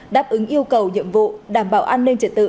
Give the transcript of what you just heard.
đáp ứng yêu cầu nhiệm vụ đảm bảo an ninh trật tự